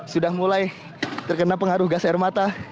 sudah mulai terkena pengaruh gas air mata